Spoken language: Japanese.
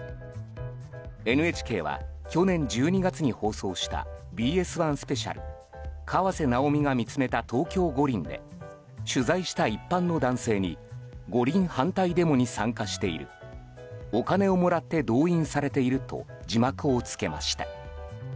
ＮＨＫは去年１２月に放送した「ＢＳ１スペシャル河瀬直美が見つめた東京五輪」で取材した一般の男性に五輪反対デモに参加しているお金をもらって動員されていると字幕を付けました。